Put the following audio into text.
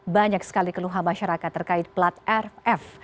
banyak sekali keluhan masyarakat terkait plat rf